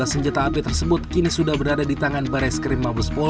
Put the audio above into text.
dua belas senjata api tersebut kini sudah berada di tangan barai skrim mabus bukit